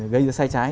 gây ra sai trái